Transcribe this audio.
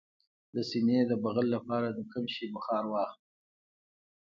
د سینې د بغل لپاره د کوم شي بخار واخلئ؟